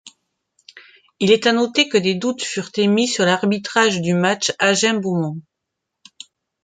Il est à noter que des doutes furent émis sur l’arbitrage du match Agen-Beaumont.